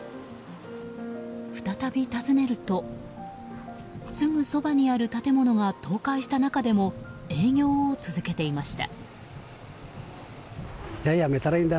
再び訪ねると、すぐそばにある建物が倒壊した中でも営業を続けていました。